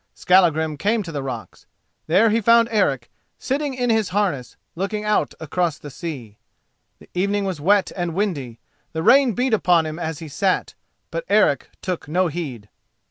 Skallagrim came to the rocks. There he found Eric, sitting in his harness, looking out across the sea. The evening was wet and windy; the rain beat upon him as he sat, but Eric took no heed.